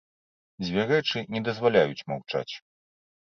Дзве рэчы не дазваляюць маўчаць.